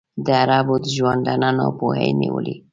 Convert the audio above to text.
د عربو د ژوندانه ناپوهۍ نیولی.